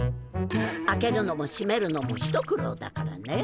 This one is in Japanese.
開けるのもしめるのもひと苦労だからね。